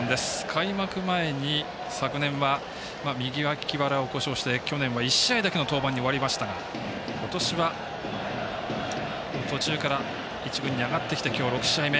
開幕前に昨年は右脇腹を故障して去年は１試合だけの登板に終わりましたが今年は、途中から１軍に上がってきて今日６試合目。